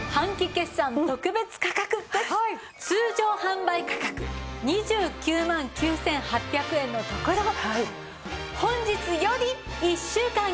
通常販売価格２９万９８００円のところ本日より１週間限定